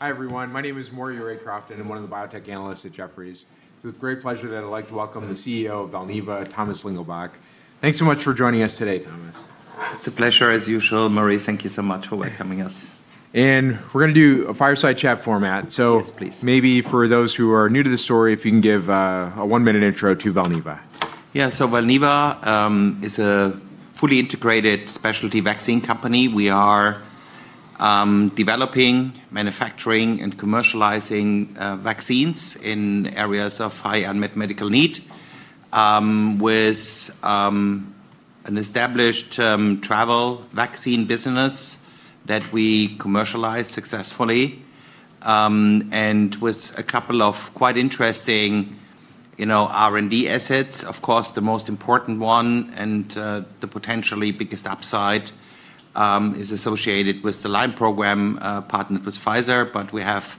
Hi, everyone. My name is Maury Raycroft, and I'm one of the biotech analysts at Jefferies. It's with great pleasure that I'd like to welcome the CEO of Valneva, Thomas Lingelbach. Thanks so much for joining us today, Thomas. It's a pleasure as usual, Maury. Thank you so much for welcoming us. We're going to do a fireside chat format. Yes, please. Maybe for those who are new to the story, if you can give a one-minute intro to Valneva? Valneva is a fully integrated specialty vaccine company. We are developing, manufacturing, and commercializing vaccines in areas of high unmet medical need, with an established travel vaccine business that we commercialize successfully. With a couple of quite interesting R&D assets. Of course, the most important one and the potentially biggest upside is associated with the Lyme program partnered with Pfizer. We have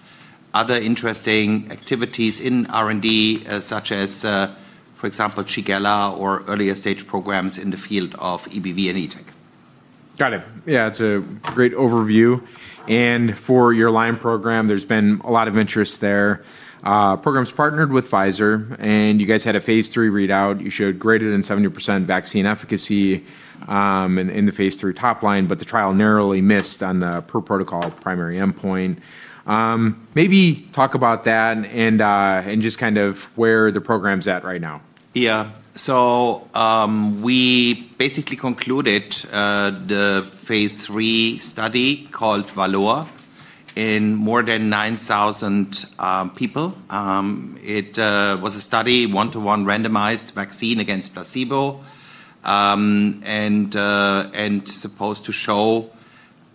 other interesting activities in R&D, such as, for example, Shigella or earlier-stage programs in the field of EBV and ETEC. Got it. Yeah, it's a great overview. For your Lyme program, there's been a lot of interest there. Program's partnered with Pfizer, and you guys had a phase III readout. You showed greater than 70% vaccine efficacy in the phase III top line, but the trial narrowly missed on the per-protocol primary endpoint. Maybe talk about that and just where the program's at right now. We basically concluded the phase III study, called VALOR, in more than 9,000 people. It was a study, one-to-one randomized vaccine against placebo, and supposed to show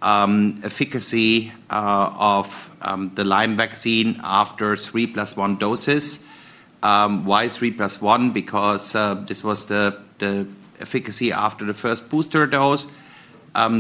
efficacy of the Lyme vaccine after 3 + 1 doses. Why three plus one? Because this was the efficacy after the first booster dose.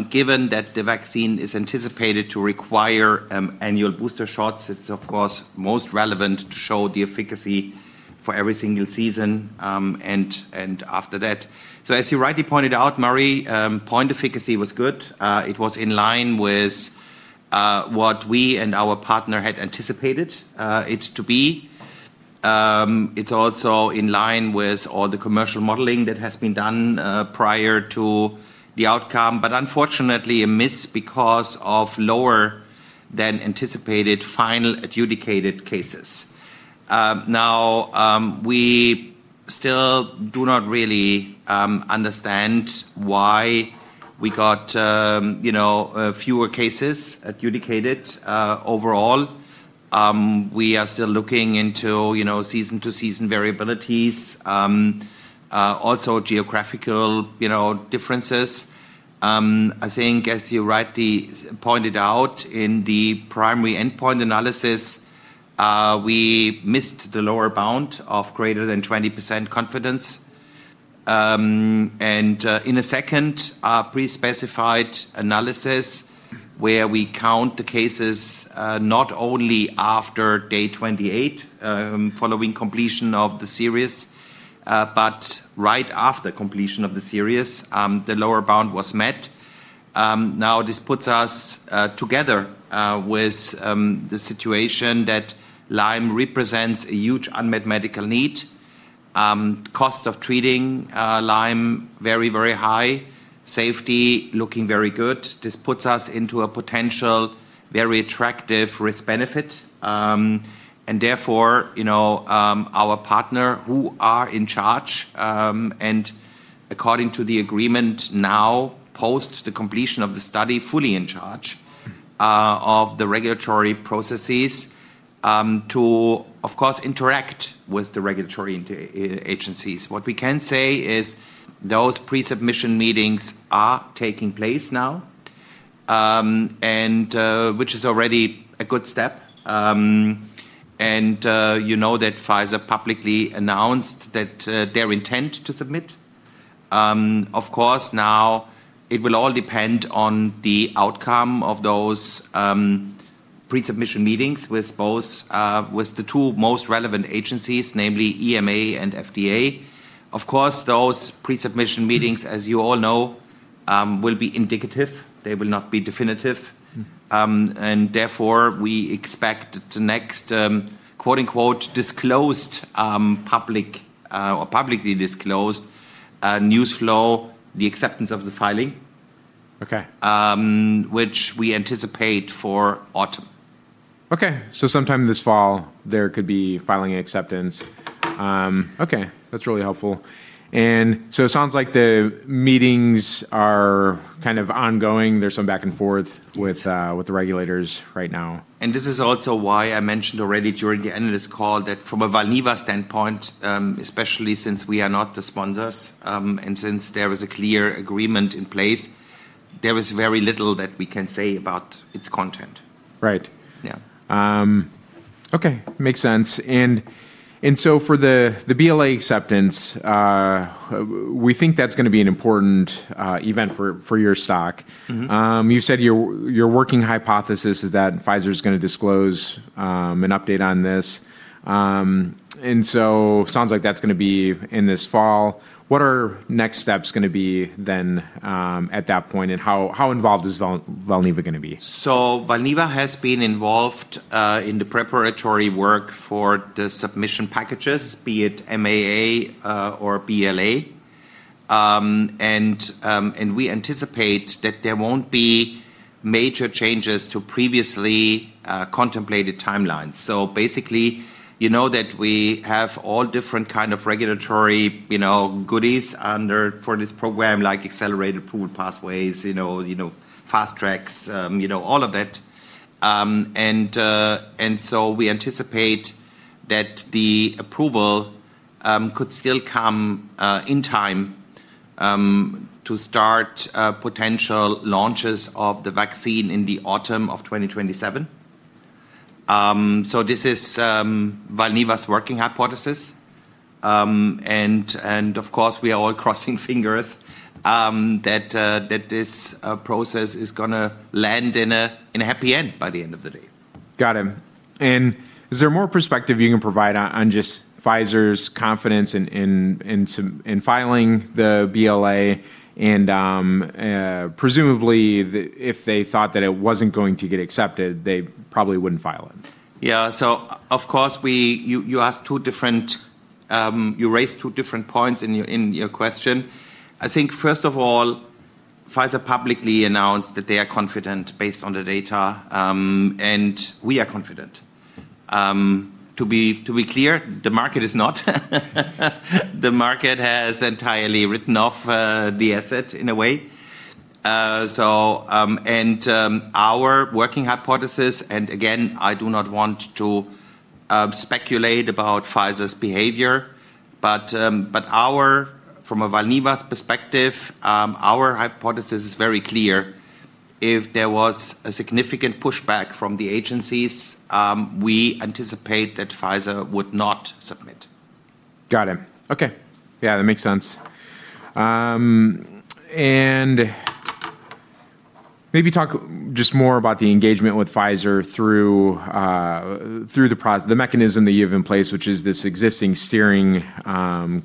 Given that the vaccine is anticipated to require annual booster shots, it's of course most relevant to show the efficacy for every single season and after that. As you rightly pointed out, Maury, point efficacy was good. It was in line with what we and our partner had anticipated it to be. It's also in line with all the commercial modeling that has been done prior to the outcome, unfortunately, a miss because of lower than anticipated final adjudicated cases. We still do not really understand why we got fewer cases adjudicated overall. We are still looking into season-to-season variabilities, also geographical differences. I think, as you rightly pointed out, in the primary endpoint analysis, we missed the lower bound of greater than 20% confidence. In a second pre-specified analysis where we count the cases not only after day 28 following completion of the series, but right after completion of the series, the lower bound was met. This puts us together with the situation that Lyme represents a huge unmet medical need. Cost of treating Lyme, very high. Safety looking very good. This puts us into a potential very attractive risk-benefit. Therefore, our partner who are in charge, and according to the agreement now, post the completion of the study, fully in charge of the regulatory processes to, of course, interact with the regulatory agencies. What we can say is those pre-submission meetings are taking place now, which is already a good step. You know that Pfizer publicly announced their intent to submit. Now it will all depend on the outcome of those pre-submission meetings with the two most relevant agencies, namely EMA and FDA. Those pre-submission meetings, as you all know, will be indicative. They will not be definitive. Therefore, we expect the next "disclosed public" or publicly disclosed news flow, the acceptance of the filing- Okay. Which we anticipate for autumn. Okay. Sometime this fall there could be filing acceptance. Okay, that's really helpful. It sounds like the meetings are ongoing. There's some back and forth with the regulators right now. This is also why I mentioned already during the analyst call that from a Valneva standpoint, especially since we are not the sponsors, and since there is a clear agreement in place, there is very little that we can say about its content. Right. Yeah. Okay, makes sense. For the BLA acceptance, we think that's going to be an important event for your stock. You said your working hypothesis is that Pfizer's going to disclose an update on this. Sounds like that's going to be in this fall. What are next steps going to be then at that point, and how involved is Valneva going to be? Valneva has been involved in the preparatory work for the submission packages, be it MAA or BLA. We anticipate that there won't be major changes to previously contemplated timelines. Basically, you know that we have all different kind of regulatory goodies for this program, like accelerated approval pathways, fast tracks, all of that. We anticipate that the approval could still come in time to start potential launches of the vaccine in the autumn of 2027. This is Valneva's working hypothesis. Of course, we are all crossing fingers that this process is going to land in a happy end by the end of the day. Got it. Is there more perspective you can provide on just Pfizer's confidence in filing the BLA? Presumably, if they thought that it wasn't going to get accepted, they probably wouldn't file it. Yeah. Of course, you raised two different points in your question. I think, first of all, Pfizer publicly announced that they are confident based on the data, and we are confident. To be clear, the market is not. The market has entirely written off the asset in a way. Our working hypothesis, and again, I do not want to speculate about Pfizer's behavior, but from Valneva's perspective, our hypothesis is very clear. If there was a significant pushback from the agencies, we anticipate that Pfizer would not submit. Got it. Okay. Yeah, that makes sense. Maybe talk just more about the engagement with Pfizer through the mechanism that you have in place, which is this existing steering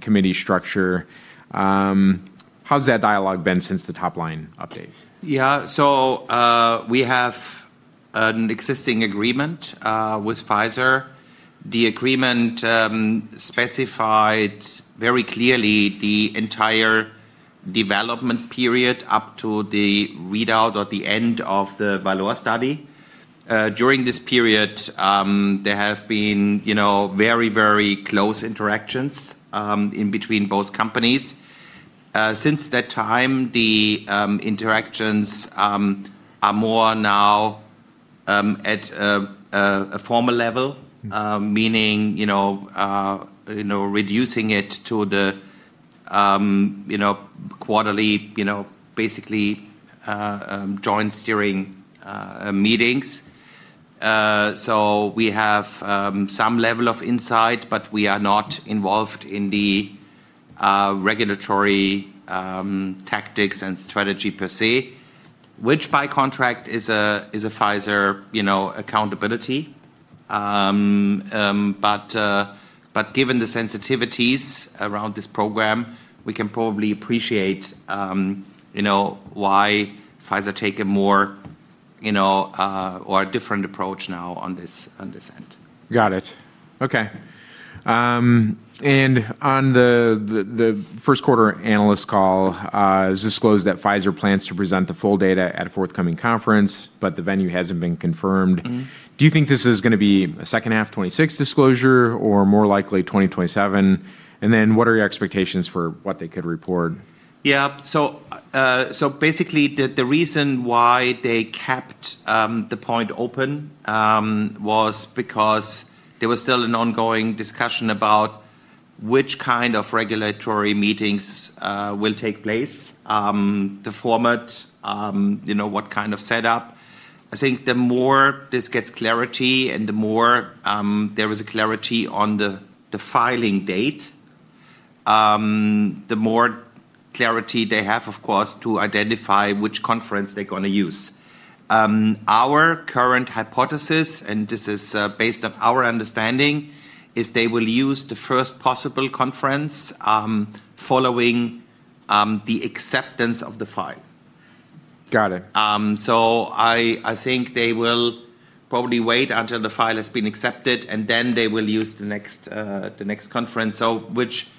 committee structure. How's that dialogue been since the top-line update? Yeah. We have an existing agreement with Pfizer. The agreement specifies very clearly the entire development period up to the readout or the end of the VALOR study. During this period, there have been very close interactions in between both companies. Since that time, the interactions are more now at a formal level. Meaning, reducing it to the quarterly, basically, joint steering meetings. We have some level of insight, but we are not involved in the regulatory tactics and strategy per se, which by contract is a Pfizer accountability. Given the sensitivities around this program, we can probably appreciate why Pfizer take a more or a different approach now on this end. Got it. Okay. On the first quarter analyst call, it was disclosed that Pfizer plans to present the full data at a forthcoming conference, but the venue hasn't been confirmed. Do you think this is going to be a second half 2026 disclosure, or more likely 2027? What are your expectations for what they could report? Yeah. Basically, the reason why they kept the point open was because there was still an ongoing discussion about which kind of regulatory meetings will take place, the format, what kind of setup. I think the more this gets clarity and the more there is a clarity on the filing date, the more clarity they have, of course, to identify which conference they're going to use. Our current hypothesis, and this is based on our understanding, is they will use the first possible conference following the acceptance of the file. Got it. I think they will probably wait until the file has been accepted, and then they will use the next conference, which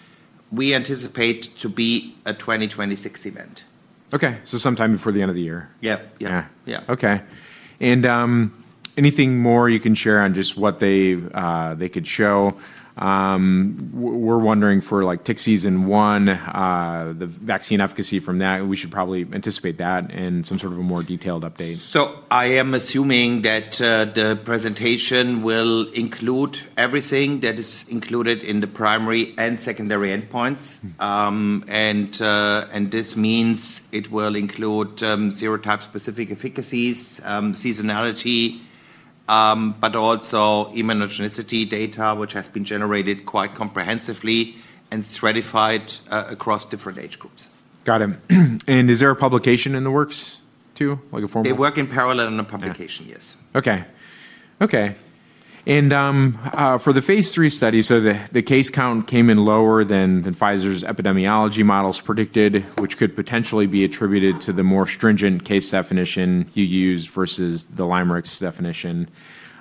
we anticipate to be a 2026 event. Okay, sometime before the end of the year. Yeah. Yeah. Yeah. Okay. Anything more you can share on just what they could show? We're wondering for tick season one, the vaccine efficacy from that, we should probably anticipate that in some sort of a more detailed update. I am assuming that the presentation will include everything that is included in the primary and secondary endpoints. This means it will include serotype-specific efficacies, seasonality, but also immunogenicity data which has been generated quite comprehensively and stratified across different age groups. Got it. Is there a publication in the works, too? They work in parallel on a publication, yes. Okay. For the phase III study, the case count came in lower than Pfizer's epidemiology models predicted, which could potentially be attributed to the more stringent case definition you used versus the LYMErix definition.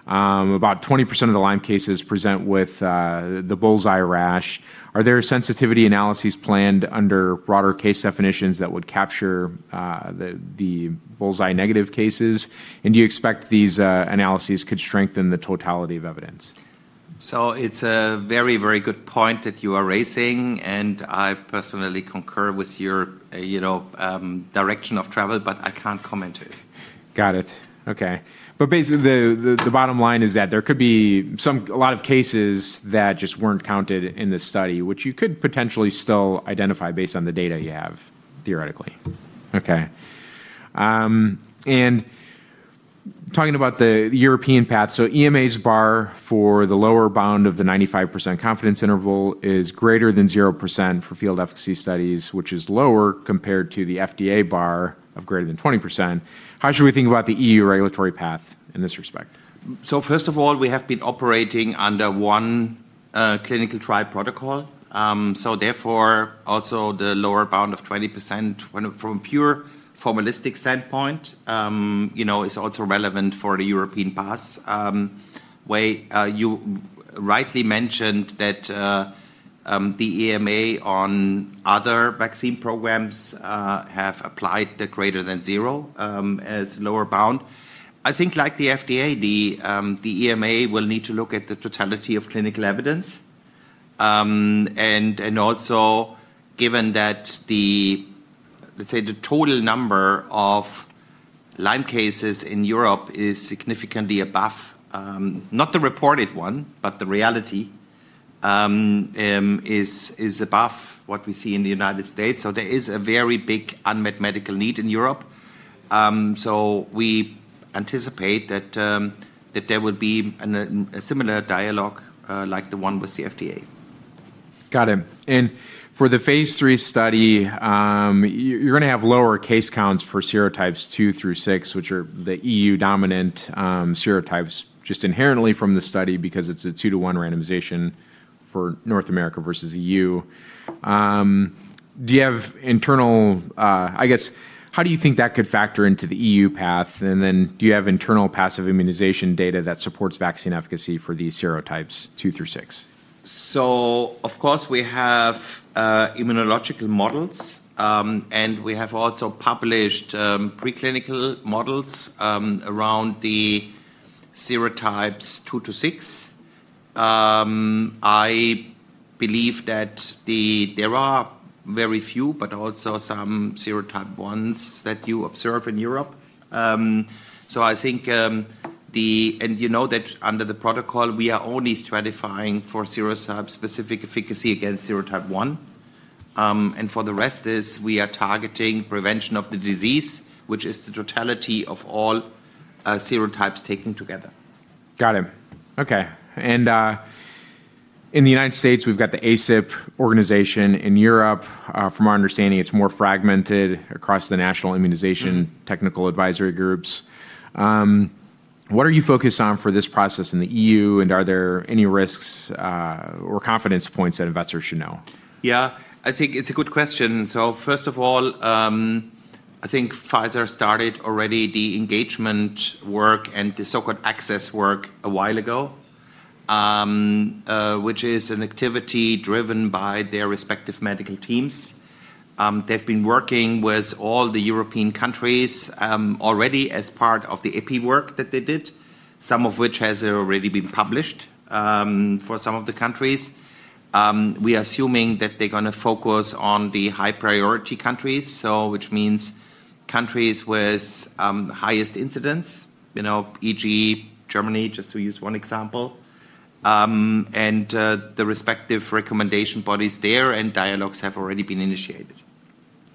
About 20% of the Lyme cases present with the bullseye rash. Are there sensitivity analyses planned under broader case definitions that would capture the bullseye-negative cases? Do you expect these analyses could strengthen the totality of evidence? It's a very good point that you are raising, and I personally concur with your direction of travel, but I can't comment to it. Got it. Okay. Basically, the bottom line is that there could be a lot of cases that just weren't counted in this study, which you could potentially still identify based on the data you have, theoretically. Okay. Talking about the European path, EMA's bar for the lower bound of the 95% confidence interval is greater than 0% for field efficacy studies, which is lower compared to the FDA bar of greater than 20%. How should we think about the E.U. regulatory path in this respect? First of all, we have been operating under one clinical trial protocol. Therefore, also the lower bound of 20% from pure formalistic standpoint, is also relevant for the European path, where you rightly mentioned that the EMA on other vaccine programs have applied the greater than zero as lower bound. I think like the FDA, the EMA will need to look at the totality of clinical evidence. Also, given that the, let's say, the total number of Lyme cases in Europe is significantly above, not the reported one, but the reality, is above what we see in the United States. There is a very big unmet medical need in Europe. We anticipate that there will be a similar dialogue like the one with the FDA. Got it. For the phase III study, you're going to have lower case counts for serotypes 2 through 6, which are the E.U.-dominant serotypes, just inherently from the study because it's a 2:1 randomization for North America versus E.U. I guess, how do you think that could factor into the E.U. path? Then do you have internal passive immunization data that supports vaccine efficacy for these serotypes 2 through 6? Of course, we have immunological models, and we have also published preclinical models around the serotypes 2-6. I believe that there are very few, but also some serotype 1s that you observe in Europe. You know that under the protocol, we are only stratifying for serotype-specific efficacy against serotype 1. For the rest is we are targeting prevention of the disease, which is the totality of all serotypes taken together. Got it. Okay. In the United States, we've got the ACIP organization. In Europe, from our understanding, it's more fragmented across the national immunization technical advisory groups. What are you focused on for this process in the E.U., and are there any risks or confidence points that investors should know? Yeah, I think it's a good question. First of all, I think Pfizer started already the engagement work and the so-called access work a while ago, which is an activity driven by their respective medical teams. They've been working with all the European countries already as part of the EP work that they did, some of which has already been published for some of the countries. We are assuming that they're going to focus on the high-priority countries, which means countries with highest incidence, you know, e.g., Germany, just to use one example, and the respective recommendation bodies there and dialogues have already been initiated.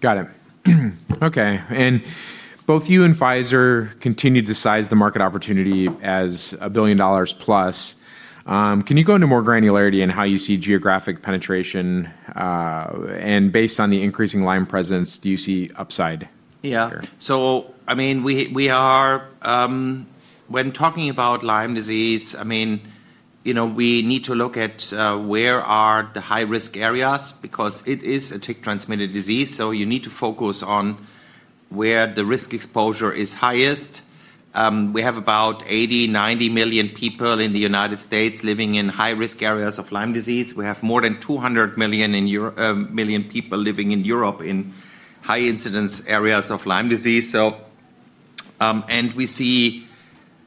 Got it. Okay. Both you and Pfizer continued to size the market opportunity as $1+ billion. Can you go into more granularity in how you see geographic penetration, and based on the increasing Lyme presence, do you see upside here? When talking about Lyme disease, we need to look at where are the high-risk areas because it is a tick-transmitted disease, so you need to focus on where the risk exposure is highest. We have about 80 million-90 million people in the United States living in high-risk areas of Lyme disease. We have more than 200 million people living in Europe in high-incidence areas of Lyme disease.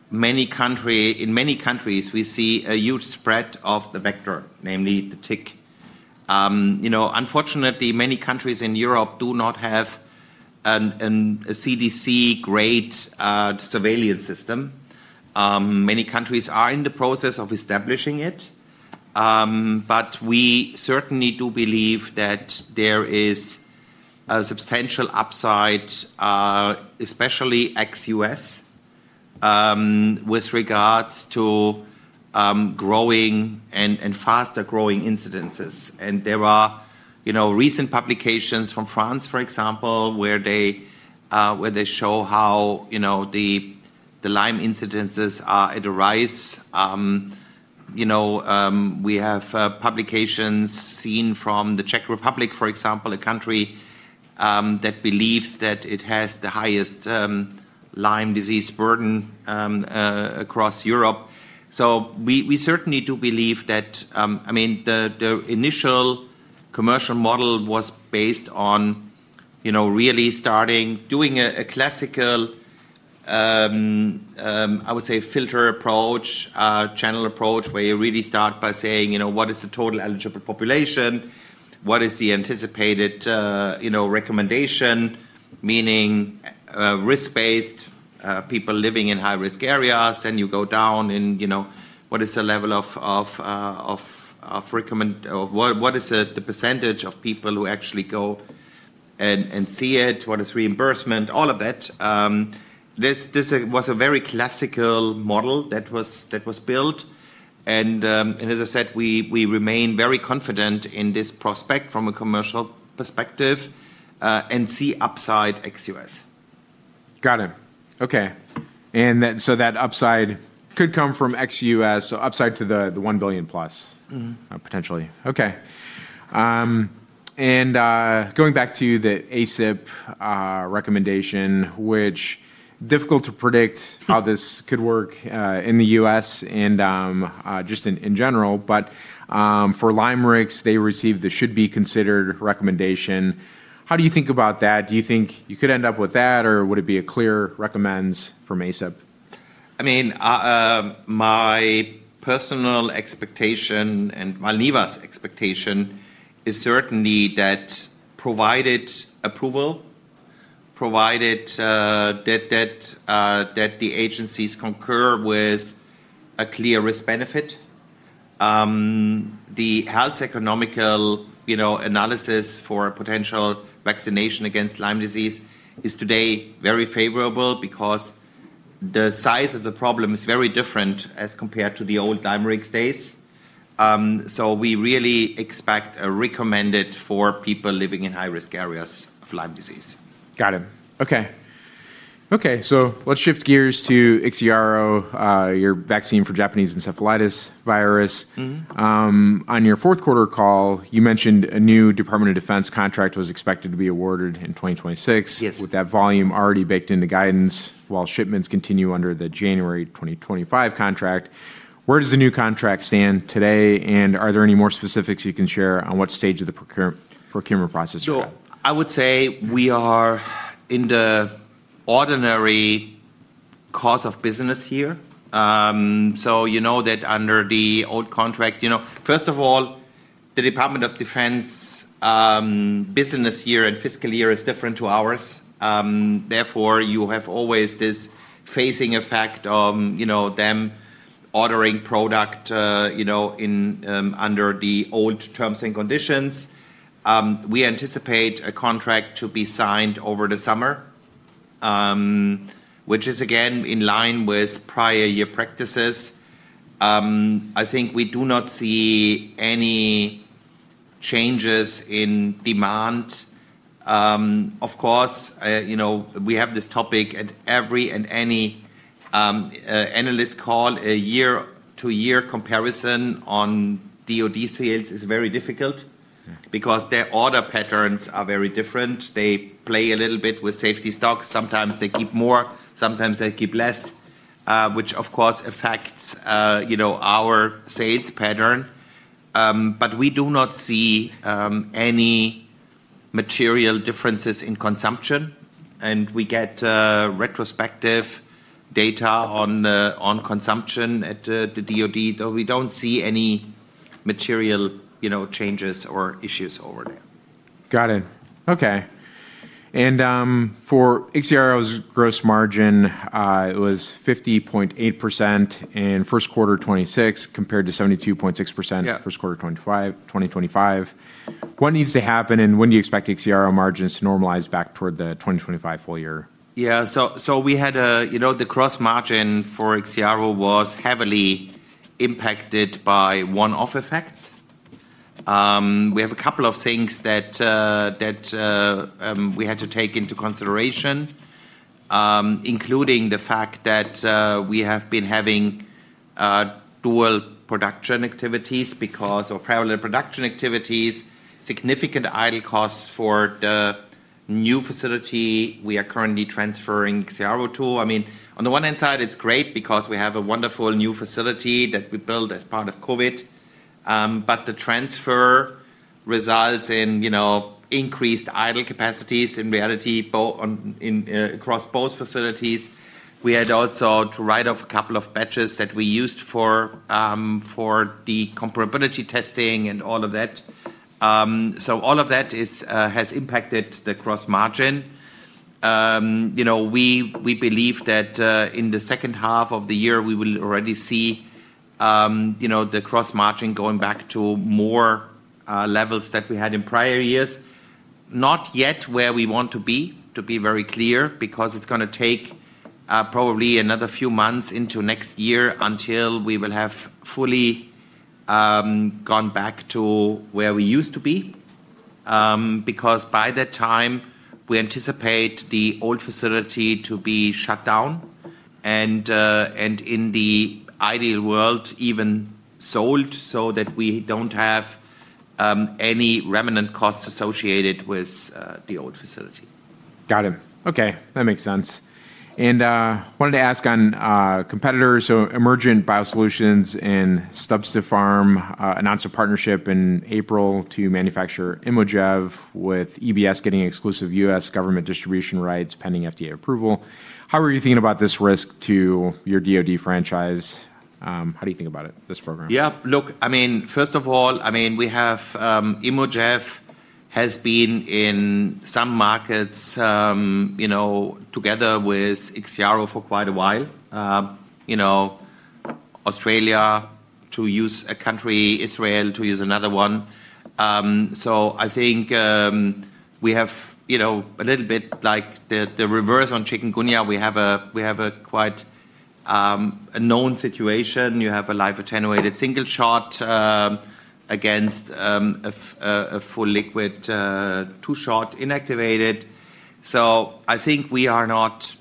In many countries, we see a huge spread of the vector, namely the tick. Unfortunately, many countries in Europe do not have a CDC-grade surveillance system. Many countries are in the process of establishing it. We certainly do believe that there is a substantial upside, especially ex-U.S., with regards to growing and faster-growing incidences. Recent publications from France, for example, where they show how the Lyme incidences are at a rise. We have publications seen from the Czech Republic, for example, a country that believes that it has the highest Lyme disease burden across Europe. We certainly do believe that the initial commercial model was based on really starting doing a classical, I would say, filter approach, channel approach, where you really start by saying, what is the total eligible population? What is the anticipated recommendation? Meaning risk-based, people living in high-risk areas. You go down and what is the percentage of people who actually go and see it, what is reimbursement, all of that. This was a very classical model that was built and, as I said, we remain very confident in this prospect from a commercial perspective, and see upside ex-U.S. Got it. Okay. That upside could come from ex-U.S., so upside to the $1+ billion. Potentially. Okay. Going back to the ACIP recommendation, which difficult to predict how this could work in the U.S. and just in general, for LYMErix, they received the should be considered recommendation. How do you think about that? Do you think you could end up with that or would it be a clear recommends from ACIP? My personal expectation and Valneva's expectation is certainly that provided approval, provided that the agencies concur with a clear risk-benefit. The health economical analysis for potential vaccination against Lyme disease is today very favorable because the size of the problem is very different as compared to the old LYMErix days. We really expect a recommended for people living in high-risk areas of Lyme disease. Got it. Okay. Let's shift gears to IXIARO, your vaccine for Japanese encephalitis virus. On your fourth quarter call, you mentioned a new Department of Defense contract was expected to be awarded in 2026. Yes With that volume already baked into guidance while shipments continue under the January 2025 contract. Where does the new contract stand today, and are there any more specifics you can share on what stage of the procurement process you're at? I would say we are in the ordinary course of business here. You know that under the old contract. First of all, the Department of Defense business year and fiscal year is different to ours, therefore, you have always this phasing effect, them ordering product under the old terms and conditions. We anticipate a contract to be signed over the summer, which is again in line with prior year practices. I think we do not see any changes in demand. Of course, we have this topic at every and any analyst call. A year-to-year comparison on DoD sales is very difficult because their order patterns are very different. They play a little bit with safety stock. Sometimes they keep more, sometimes they keep less, which of course affects our sales pattern. We do not see any material differences in consumption, and we get retrospective data on consumption at the DoD, though we don't see any material changes or issues over there. Got it. Okay. For IXIARO's gross margin, it was 50.8% in first quarter 2026 compared to 72.6%. Yeah. First quarter 2025, what needs to happen and when do you expect IXIARO margins to normalize back toward the 2025 full year? The gross margin for IXIARO was heavily impacted by one-off effects. We have a couple of things that we had to take into consideration, including the fact that we have been having dual production activities or parallel production activities, significant idle costs for the new facility we are currently transferring IXIARO to. On the one hand side it's great because we have a wonderful new facility that we built as part of COVID, the transfer results in increased idle capacities in reality across both facilities. We had also to write off a couple of batches that we used for the comparability testing and all of that. All of that has impacted the gross margin. We believe that in the second half of the year we will already see the gross margin going back to more levels that we had in prior years. Not yet where we want to be, to be very clear, because it's going to take probably another few months into next year until we will have fully gone back to where we used to be. By that time, we anticipate the old facility to be shut down and in the ideal world, even sold, so that we don't have any remnant costs associated with the old facility. Got it. Okay. That makes sense. Wanted to ask on competitors, so Emergent BioSolutions and Substipharm announced a partnership in April to manufacture IMOJEV with EBS getting exclusive U.S. government distribution rights pending FDA approval. How are you thinking about this risk to your DoD franchise? How do you think about it, this program? Look, first of all, IMOJEV has been in some markets together with IXIARO for quite a while. Australia, to use a country, Israel, to use another one. I think we have a little bit like the reverse on chikungunya. We have a quite a known situation. You have a live attenuated single shot against a full liquid two-shot inactivated. I think we are not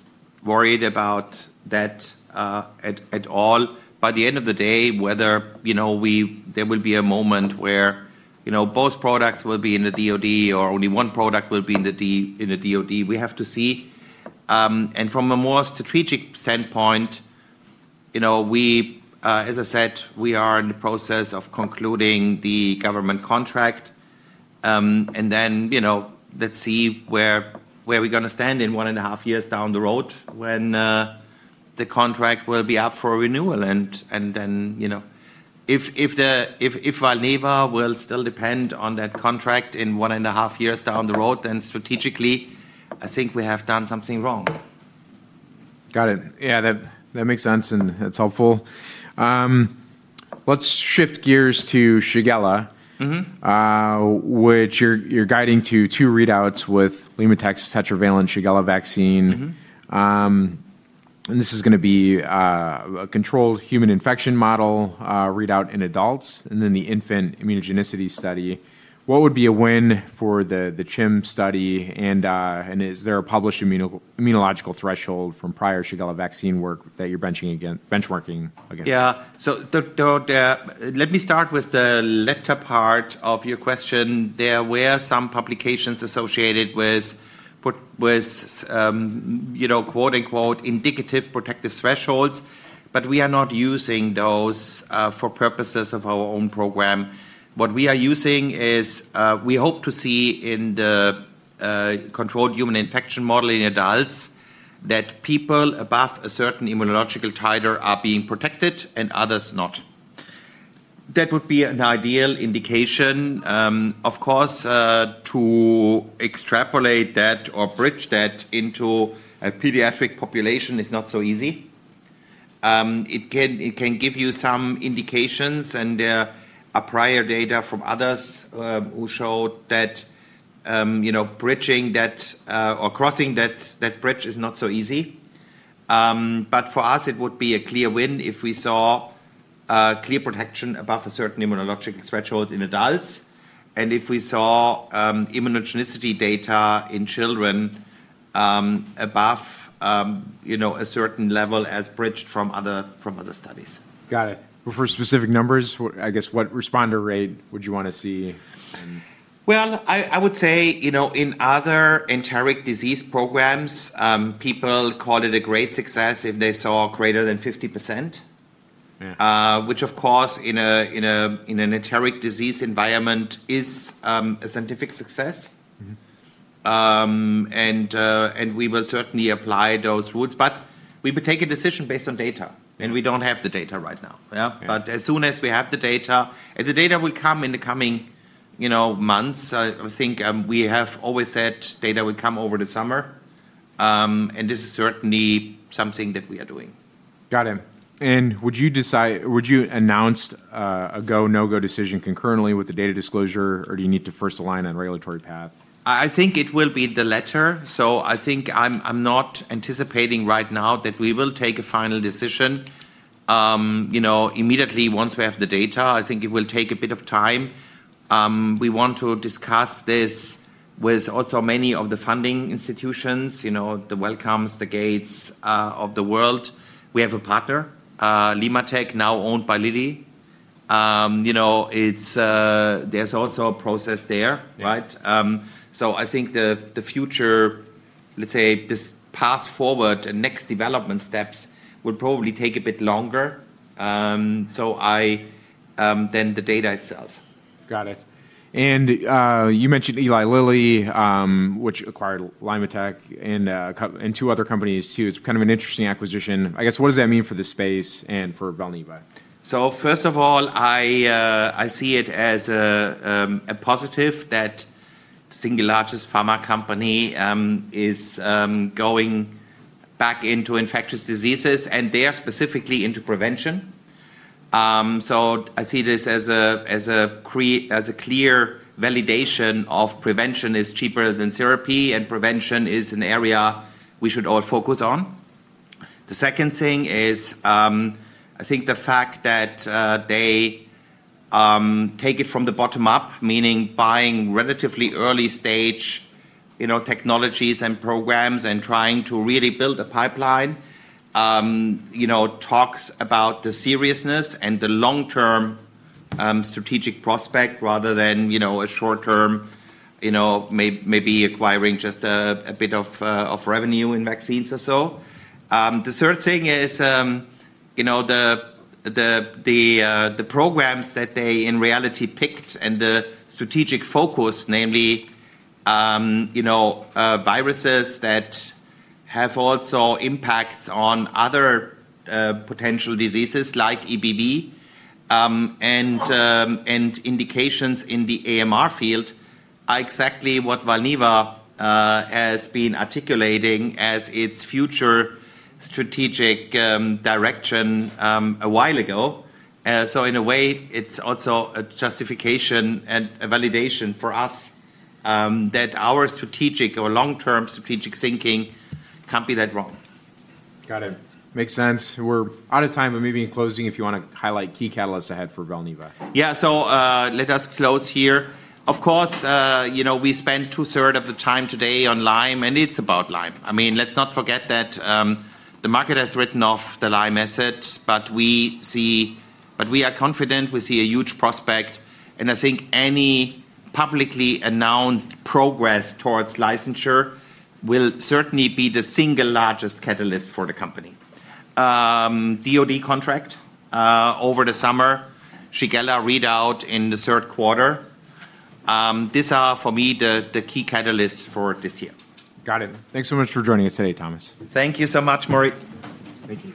worried about that at all. By the end of the day, whether there will be a moment where both products will be in the DoD or only one product will be in the DoD, we have to see. From a more strategic standpoint, as I said, we are in the process of concluding the government contract, let's see where we're going to stand in one and a half years down the road when the contract will be up for renewal. If Valneva will still depend on that contract in one and a half years down the road, then strategically, I think we have done something wrong. Got it. Yeah, that makes sense, and that's helpful. Let's shift gears to Shigella. Which you're guiding to two readouts with LimmaTech's tetravalent Shigella vaccine. This is going to be a controlled human infection model readout in adults, and then the infant immunogenicity study. What would be a win for the CHIM study, and is there a published immunological threshold from prior Shigella vaccine work that you're benchmarking against? Yeah. Let me start with the latter part of your question. There were some publications associated with quote unquote "indicative protective thresholds" but we are not using those for purposes of our own program. What we are using is, we hope to see in the controlled human infection model in adults that people above a certain immunological titer are being protected and others not. That would be an ideal indication. Of course, to extrapolate that or bridge that into a pediatric population is not so easy. It can give you some indications and there are prior data from others who showed that bridging that or crossing that bridge is not so easy. For us, it would be a clear win if we saw clear protection above a certain immunologic threshold in adults and if we saw immunogenicity data in children above a certain level as bridged from other studies. Got it. For specific numbers, I guess what responder rate would you want to see? Well, I would say, in other enteric disease programs, people call it a great success if they saw greater than 50%. Yeah. Which of course in an enteric disease environment is a scientific success. We will certainly apply those rules. We would take a decision based on data, and we don't have the data right now. Yeah? Yeah. As soon as we have the data. The data will come in the coming months. I think we have always said data would come over the summer, and this is certainly something that we are doing. Got it. Would you announce a go, no-go decision concurrently with the data disclosure, or do you need to first align on regulatory path? I think it will be the latter. I think I'm not anticipating right now that we will take a final decision immediately once we have the data. I think it will take a bit of time. We want to discuss this with also many of the funding institutions, the Wellcome, the Gates of the world. We have a partner, LimmaTech, now owned by Lilly. There's also a process there, right? Yeah. I think the future, let's say this path forward and next development steps will probably take a bit longer than the data itself. Got it. You mentioned Eli Lilly, which acquired LimmaTech and two other companies, too. It's kind of an interesting acquisition. I guess, what does that mean for this space and for Valneva? First of all, I see it as a positive that the single largest pharma company is going back into infectious diseases, and they are specifically into prevention. I see this as a clear validation of prevention is cheaper than therapy, and prevention is an area we should all focus on. The second thing is, I think the fact that they take it from the bottom up, meaning buying relatively early-stage technologies and programs and trying to really build a pipeline talks about the seriousness and the long-term strategic prospect rather than a short-term, maybe acquiring just a bit of revenue in vaccines or so. The third thing is the programs that they, in reality, picked and the strategic focus, namely, viruses that have also impacts on other potential diseases like EBV and indications in the AMR field are exactly what Valneva has been articulating as its future strategic direction a while ago. In a way, it's also a justification and a validation for us that our strategic or long-term strategic thinking can't be that wrong. Got it. Makes sense. We're out of time, but maybe in closing, if you want to highlight key catalysts ahead for Valneva. Yeah. Let us close here. Of course, we spent two-thirds of the time today on Lyme, and it's about Lyme. Let's not forget that the market has written off the Lyme asset, but we are confident we see a huge prospect. I think any publicly announced progress towards licensure will certainly be the single largest catalyst for the company. DoD contract over the summer, Shigella readout in the third quarter. These are, for me, the key catalysts for this year. Got it. Thanks so much for joining us today, Thomas. Thank you so much, Maury. Thank you.